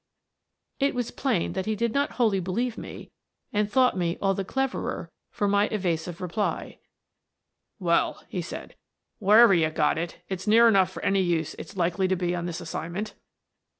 It was plain that he 'did not wholly believe me and thought me all the cleverer for my evasive reply. "Well," he said, "wherever you got it, it's near enough for any use it's likely to be on this assignment.